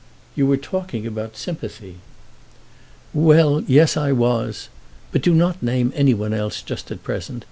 "You were talking about sympathy." "Well, yes; I was. But do not name any one else just at present.